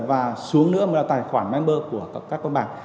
và xuống nữa là tài khoản member của các con bạc